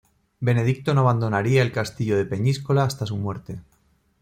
Benedicto no abandonaría el castillo de Peñíscola hasta su muerte.